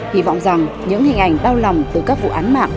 hy vọng rằng những hình ảnh đau lòng từ các vụ án mạng